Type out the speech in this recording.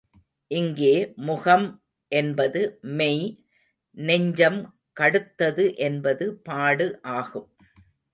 இங்கே முகம் என்பது மெய் நெஞ்சம் கடுத்தது என்பது பாடு ஆகும்.